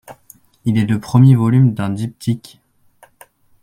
Il est le premier volume d'un diptyque.